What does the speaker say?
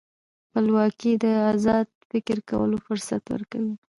خپلواکي د ازاد فکر کولو فرصت ورکوي.